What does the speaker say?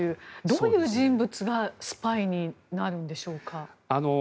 どういう人物がスパイになるんでしょうか。